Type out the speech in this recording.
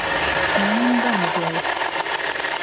M mini bɛn doli.